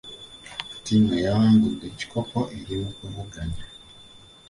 Ttiimu eyawangudde ekikopo eri mukuvuganya.